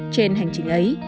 trên hành trình ấy